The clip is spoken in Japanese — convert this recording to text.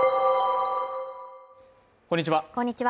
こんにちは。